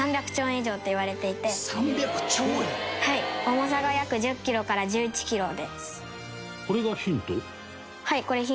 重さが約１０キロから１１キロです。